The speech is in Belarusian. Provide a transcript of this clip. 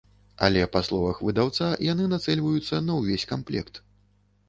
Але па словах выдаўца, яны нацэльваюцца на ўвесь камплект.